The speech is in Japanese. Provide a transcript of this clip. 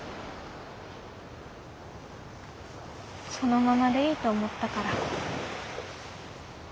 そのままでいいと思ったから。